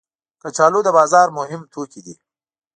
کچالو د بازار مهم توکي دي